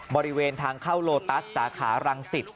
บริเวณทางเข้าโลตัสสาขารังสิต